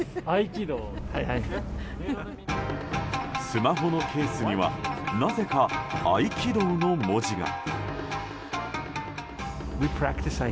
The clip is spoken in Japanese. スマホのケースにはなぜか「合気道」の文字が。